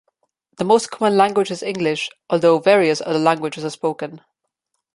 The most common language is English, although various other languages are spoken.